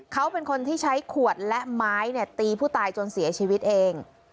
เขาเป็นคนที่ใช้ขวดและไม้ตีผู้ตายจนเสียชีวิตเอง